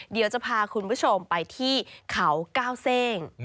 เดี๋ยวจะพาคุณผู้ชมไปที่เขาก้าวเส้ง